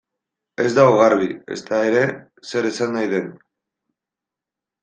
Ez dago garbi, ezta ere, zer esan nahi den.